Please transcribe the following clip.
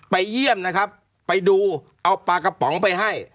เยี่ยมนะครับไปดูเอาปลากระป๋องไปให้